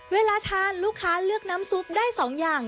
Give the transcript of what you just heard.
เวลาทานลูกค้าเลือกน้ำซุปได้๒อย่าง